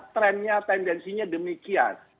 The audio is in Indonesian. trendnya tendensinya demikian